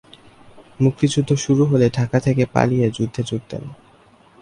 মুক্তিযুদ্ধ শুরু হলে ঢাকা থেকে পালিয়ে যুদ্ধে যোগ দেন।